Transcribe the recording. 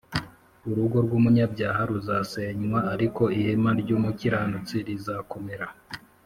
urugo rwumunyabyaha ruzasenywa, ariko ihema ry’umukiranutsi rizakomera